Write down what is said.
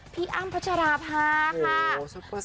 อ้ำพัชราภาค่ะ